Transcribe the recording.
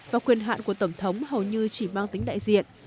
và quyền hạn của tổng thống hầu như chỉ mang tính đại diện